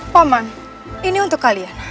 paman ini untuk kalian